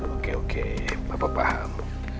oke oke papa paham